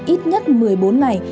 ít nhất một mươi bốn ngày